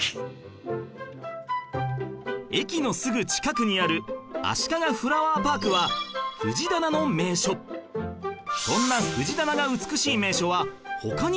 駅のすぐ近くにあるあしかがフラワーパークはそんな藤棚が美しい名所は他にもあります